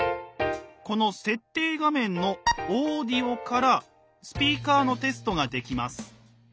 この設定画面の「オーディオ」から「スピーカーのテスト」ができます。